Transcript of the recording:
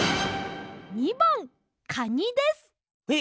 ②ばんカニです！え！？